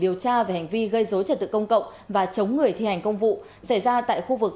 điều tra về hành vi gây dối trật tự công cộng và chống người thi hành công vụ xảy ra tại khu vực